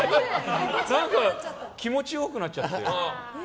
気持ちよくなっちゃって。